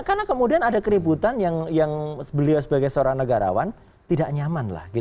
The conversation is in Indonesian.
karena kemudian ada keributan yang beliau sebagai seorang negarawan tidak nyaman lah